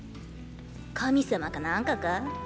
神様かなんかか？